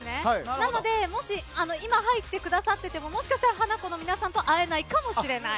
なので、もし今入ってくださっていてももしかしたらハナコの皆さんと会えないかもしれない。